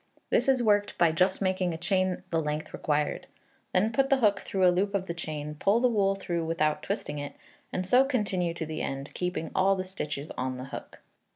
This is worked by just making a chain the length required. Then put the hook through a loop of the chain, pull the wool through without twisting it, and so continue to the end, keeping all the stitches on the hook.